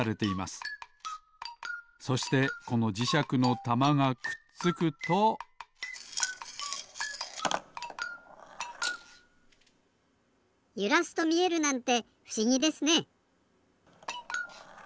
そしてこのじしゃくのたまがくっつくとゆらすとみえるなんてふしぎですねえ。